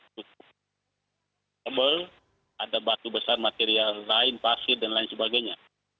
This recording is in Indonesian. cukup tebal ada batu besar material lain pasir dan lain sebagainya